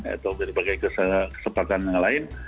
atau berbagai kesempatan lain